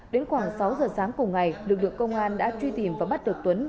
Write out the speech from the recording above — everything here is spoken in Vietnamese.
đến khoảng sáu giờ sáng cùng ngày lực lượng công an đã truy tìm và bắt được tuấn